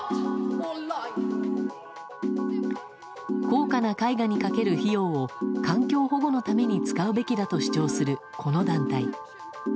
高価な絵画にかける費用を環境保護のために使うべきだと主張するこの団体。